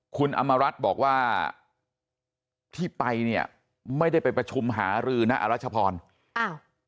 คุณอำมารัฐบอกว่าที่ไปเนี่ยไม่ได้ไปประชุมหารือนะอรัชพรอ้าว